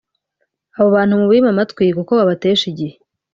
Abo bantu mubime amatwi kuko babatesha igihe”